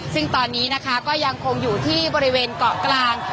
ซึ่งตอนนี้นะคะก็ยังคงอยู่ที่บริเวณเกาะกลาง